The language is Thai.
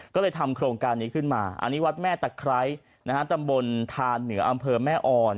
ก็เลยทำโครงการนี้ขึ้นมาอันนี้วัดแม่ตะไคร้นะฮะตำบลทานเหนืออำเภอแม่อ่อน